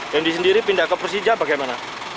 dandi sendiri pindah ke persija bagaimana